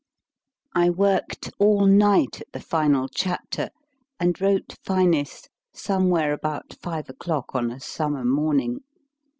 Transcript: I worked all night at the final chapter, and wrote Finis somewhere about five o clock on a summer morning.